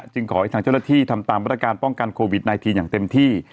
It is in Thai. ขอให้ทางเจ้าหน้าที่ทำตามมาตรการป้องกันโควิด๑๙อย่างเต็มที่